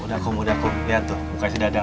udah kump udah kump lihat tuh bukanya sudah dang